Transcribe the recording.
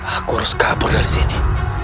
aku harus kabur dari sini